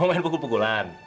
mau main pukul pukulan